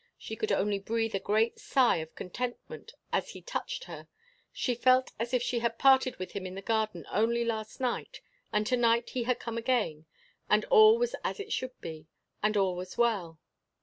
She could only breathe a great sigh of contentment as he touched her: she felt as if she had parted with him in the garden only last night; and to night he had come again; and all was as it should be; and all was well.